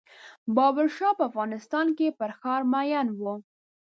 بابر شاه په افغانستان کې پر ښار مین و.